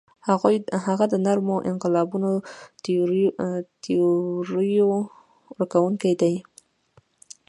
هغه د نرمو انقلابونو تیوري ورکوونکی دی.